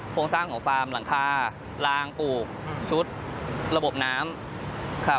โครงสร้างของฟาร์มหลังคารางปลูกชุดระบบน้ำครับ